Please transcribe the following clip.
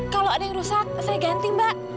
kalau ada yang rusak saya ganti mbak